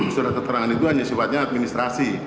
surat keterangan itu hanya sifatnya administrasi